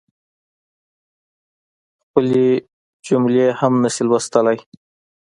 خپلي جملی هم نشي لوستلی هههه